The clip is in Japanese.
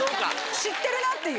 知ってるなっていう。